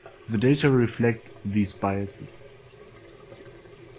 The data reflect these biases.